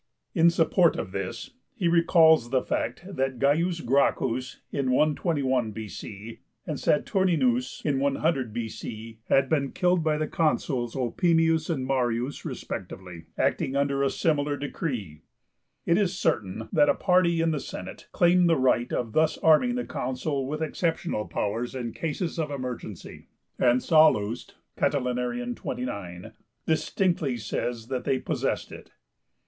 In support of this he recalls the fact that C. Gracchus (121) and Saturninus (100) had been killed by the Consuls Opimius and Marius respectively, acting under a similar decree. It is certain that a party in the Senate claimed the right of thus arming the Consul with exceptional powers in cases of emergency, and Sallust (Cat. 29) distinctly says that they possessed it.